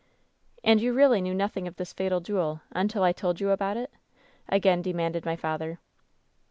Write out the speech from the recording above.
" 'And you really knew nothing of this fatal duel until I told you about it V again demanded my father.